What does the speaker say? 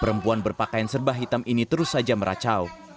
perempuan berpakaian serba hitam ini terus saja meracau